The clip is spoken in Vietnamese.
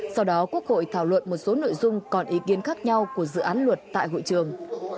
sau đó quốc hội thảo luận một số nội dung còn ý kiến khác nhau của dự án luật tại hội trường